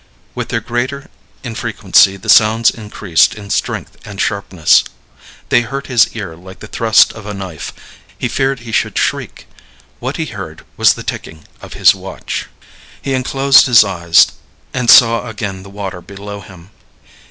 With their greater infrequency the sounds increased in strength and sharpness. They hurt his ear like the thrust of a knife; he feared he should shriek. What he heard was the ticking of his watch. He unclosed his eyes and saw again the water below him.